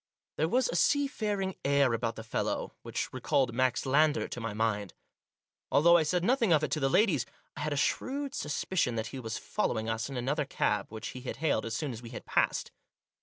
There was a seafaring air about the fellow which recalled Max Lander to my mind. Although I said nothing of it to the ladies, I had a shrewd sus picion that he was following us in another cab, which he had hailed as soon as we had passed.